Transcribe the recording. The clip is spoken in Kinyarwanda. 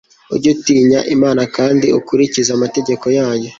ujye utinya imana kandi ukurikize amategeko yayo